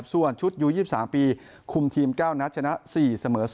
ส่วนชุดยู๒๓ปีคุมทีม๙นัดชนะ๔เสมอ๒